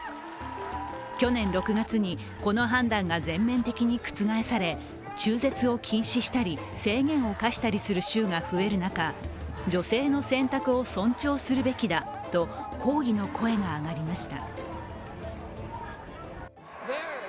去年６月にこの判断が全面的に覆され中絶を禁止したり制限を課したりする州が増える中女性の選択を尊重するべきだと抗議の声が上がりました。